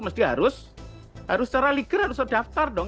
mesti harus secara legal harus terdaftar dong